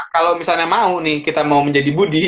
kalau misalnya mau nih kita mau menjadi budi